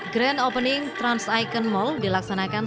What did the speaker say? grand opening trans icon mall dilaksanakan